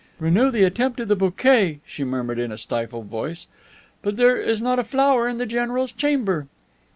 "Renew the attempt of the bouquet!" she murmured in a stifled voice. "But there is not a flower in the general's chamber."